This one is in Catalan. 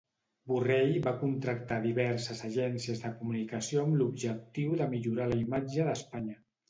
Borrell va contractar diverses agències de comunicació amb l'objectiu de millorar la imatge d'Espanya.